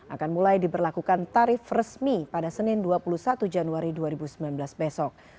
akan mulai diberlakukan tarif resmi pada senin dua puluh satu januari dua ribu sembilan belas besok